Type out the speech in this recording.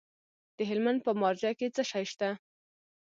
د هلمند په مارجه کې څه شی شته؟